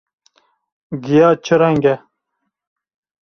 Giya çi reng e?